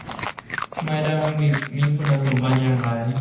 ไมค์ไดนามิกมีคุณสมบัติอย่างไร